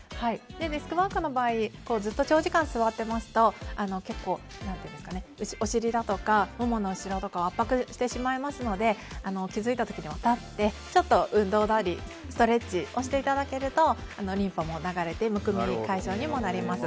デスクワークの場合はずっと長時間座っていますと結構、お尻だとか、ももの後ろを圧迫してしまうので気づいた時には立って、ちょっと運動代わりにストレッチしていただけるとリンパも流れてむくみ解消にもなります。